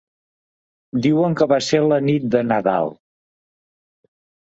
Diuen que va ser la nit del Nadal.